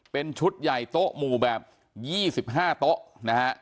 เป็นชุดใหญ่โต๊ะหมู่แบบ๒๕โต๊ะนะฮะ